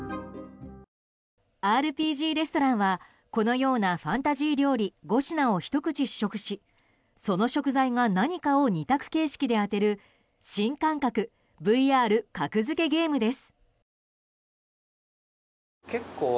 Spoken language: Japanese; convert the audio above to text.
ＲＰＧレストランはこのようなファンタジー料理５品をひと口試食しその食材が何かを２択形式で当てる新感覚ＶＲ格付けゲームです。